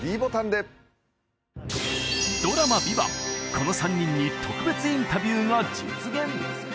この３人に特別インタビューが実現！